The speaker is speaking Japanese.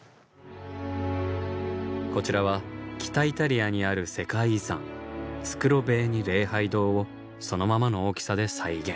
こちらは北イタリアにある世界遺産スクロヴェーニ礼拝堂をそのままの大きさで再現。